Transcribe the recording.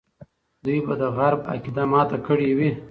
دوی به د غرب عقیده ماته کړې وي.